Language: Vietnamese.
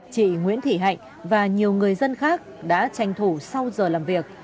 chị nguyễn thị hạnh và nhiều người dân khác đã tranh thủ sau giờ làm việc